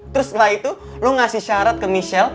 terus setelah itu lo ngasih syarat ke michelle